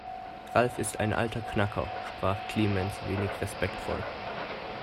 Ralf ist ein alter Knacker, sprach Clemens wenig respektvoll.